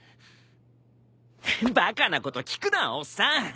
バカなこと聞くなおっさん！